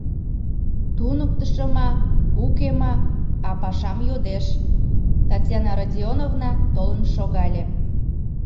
— Туныктышо ма, уке ма, а пашам йодеш, — Татьяна Родионовна толын шогале.